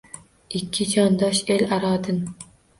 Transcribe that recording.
Ikki jondosh el aro din